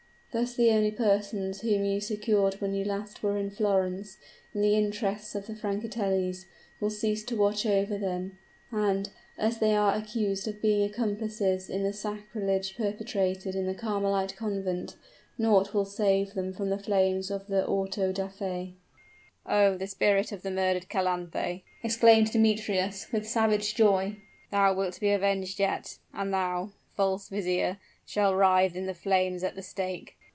Thus the only persons whom you secured when last you were in Florence, in the interests of the Francatellis, will cease to watch over them; and, as they are accused of being accomplices in the sacrilege perpetrated in the Carmelite Convent, naught will save them from the flames of the auto da fe." "Oh! spirit of the murdered Calanthe," exclaimed Demetrius, with savage joy, "thou wilt be avenged yet! And thou, false vizier, shalt writhe in the flames at the stake!"